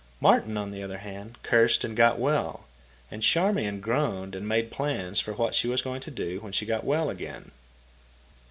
Martin, on the other hand, cursed and got well, and Charmian groaned and made plans for what she was going to do when she got well again.